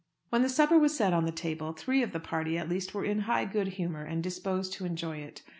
When the supper was set on the table, three of the party, at least, were in high good humour, and disposed to enjoy it.